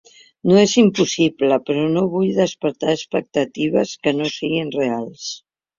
No és impossible, però no vull despertar expectatives que no siguin reals.